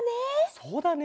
そうだね。